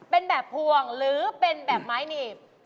เป็นแบบพวงหรือเป็นแบบไม้หนีบ